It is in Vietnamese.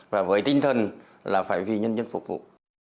và với tinh thần là phải vì nhân dân phục vụ